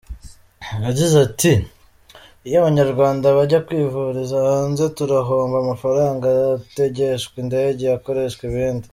Yagize ati “Iyo Abanyarwanda bajya kwivuriza hanze turahomba, amafaranga ategeshwa indege yakoreshwa ibindi.